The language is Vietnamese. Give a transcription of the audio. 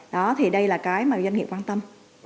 đó thì đây là cái mà doanh nghiệp quan tâm